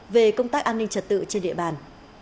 về công tác an ninh trật tự trên địa bàn